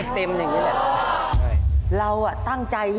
บอลอยู่ทางไหน